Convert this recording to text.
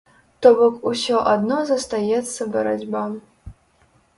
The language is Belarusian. То бок ўсё адно застаецца барацьба.